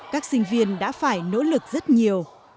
các sinh viên đã phải nỗ lực rất nhiều